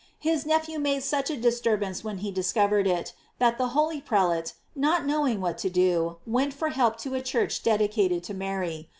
His nephew made such a disturbance when he discovered it, tha't the holy prelate, not knowing what to do, went for help to a church dedicated to Mary.